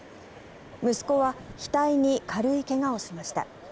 息子は額に軽い怪我をしました。